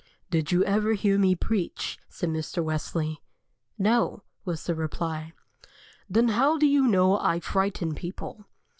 "Did you ever hear me preach?" said Mr. Wesley. "No," was the reply. "Then how do you know I frighten people?"